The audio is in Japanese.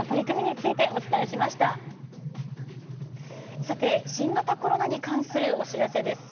続いて、新型コロナに関するお知らせです。